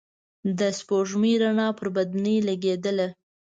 د سپوږمۍ رڼا پر بدنې لګېدله.